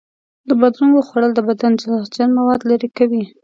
د بادرنګو خوړل د بدن زهرجن موادو لرې کوي.